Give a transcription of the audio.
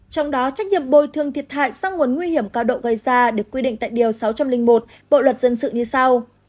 trong đó trách nhiệm bồi thương thiệt hại do nguồn nguy hiểm cao độ gây ra được quy định tại điều sáu trăm linh một bộ luật dân sự như sau